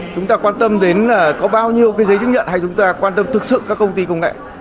chúng ta quan tâm đến có bao nhiêu cái giấy chứng nhận hay chúng ta quan tâm thực sự các công ty công nghệ